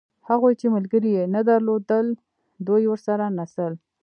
هغوی چې ملګري یې نه درلودل دوی ورسره نڅل.